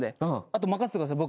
あと任せてください。